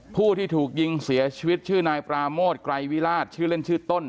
ผู้ที่ถูกยิงเสียชีวิตชื่อนายปราโมทไกรวิราชชื่อเล่นชื่อต้น